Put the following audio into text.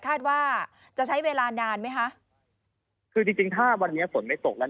คาดว่าจะใช้เวลานานไหมคะคือจริงจริงถ้าวันนี้ฝนไม่ตกแล้ว